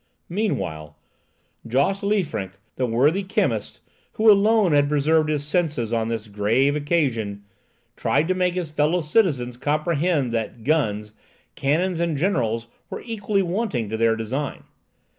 Meanwhile, Josse Liefrinck, the worthy chemist, who alone had preserved his senses on this grave occasion, tried to make his fellow citizens comprehend that guns, cannon, and generals were equally wanting to their design.